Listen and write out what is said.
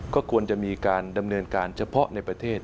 ก็ควรจะมีการดำเนินการเฉพาะในประเทศ